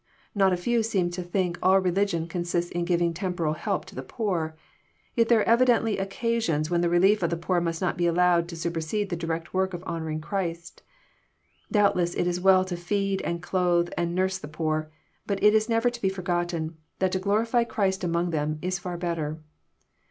Not a few seem to think all religion consists in giving temporal help to the poor. Yet there are evidently occasions when the relief of the poor must not be allowed to supersede the direct work of honouring Christ. Doubtless it is well to feed, and clothe, and nurse the poor; but it is never to be forgotten, that to glorify Christ among them is far better.